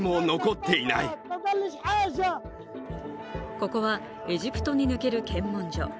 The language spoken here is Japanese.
ここはエジプトに抜ける検問所。